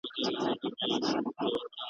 زخمي زمازړګی څوک ګناهکار به پکښي نه وي